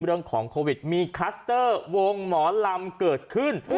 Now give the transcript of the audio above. เรื่องของโควิดมีคลัสเตอร์วงหมอลำเกิดขึ้น